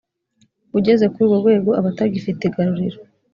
ugeze kuriurwo rwego aba atagifite igaruriro